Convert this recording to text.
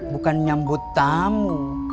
bukan nyambut tamu